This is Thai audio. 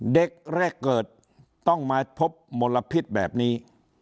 เด็กแรกเกิดต้องมาพบมลพิษแบบนี้